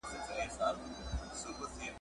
پښتانه به په مېړانه جنګيږي.